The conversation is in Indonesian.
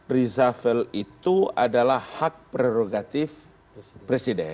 reshuffle itu adalah hak prerogatif presiden